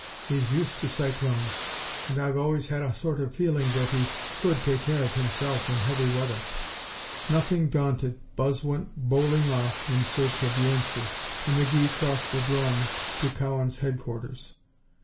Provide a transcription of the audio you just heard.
"He's used to cyclones, and I've always had a sort of feeling that he could take care of himself in heavy weather." Nothing daunted, Buzz went bowling off in search of Yancey, and McGee crossed the 'drome to Cowan's headquarters.